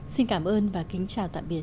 xin cảm ơn và kính chào tạm biệt